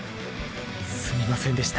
すみませんでした。